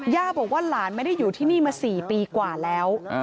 ย่าบอกว่าหลานไม่ได้อยู่ที่นี่มา๔ปีกว่าแล้ว